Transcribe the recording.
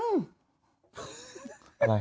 เนี้ย